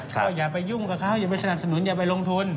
ก็อย่าไปยุ่งกับเขาอย่าไปสนับสนุนอย่าไปลงทุน